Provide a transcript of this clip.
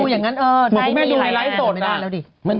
เหมือนพวกแม่ดูในไลฟ์โสด